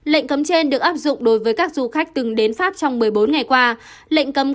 lệnh cấm trên được áp dụng đối với các du khách từng đến pháp trong một mươi bốn ngày qua lệnh cấm